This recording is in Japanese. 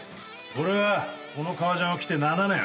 俺はこの革ジャンを着て７年。